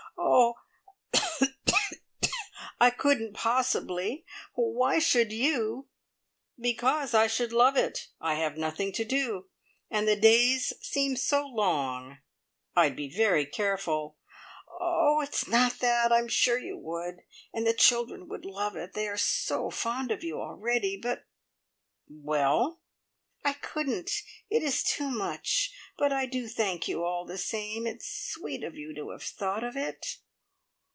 Oh, I couldn't possibly! Why should you " "Because I should love it. I have nothing to do, and the days seem so long. I'd be very careful." "Oh, it's not that! I am sure you would! And the children would love it. They are so fond of you already; but " "Well?" "I couldn't! It is too much. But I do thank you all the same. It's sweet of you to have thought of it!"